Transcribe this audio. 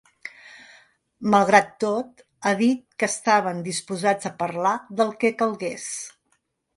Malgrat tot, ha dit que estaven disposats a parlar del que calgués.